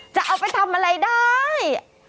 จะเอาไปทำอะไรได้